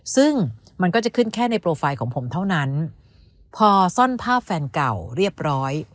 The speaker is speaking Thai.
ซึ่งมันก็จะขึ้นแค่ในโปรไฟล์ของผมเท่านั้นพอซ่อนภาพแฟนเก่าเรียบร้อย